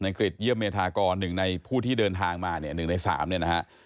นางกริดเยี่ยมเมทากรหนึ่งในผู้ที่เดินทางมาเนี่ยหนึ่งในสามเนี่ยนะฮะ